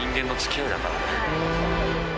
だから。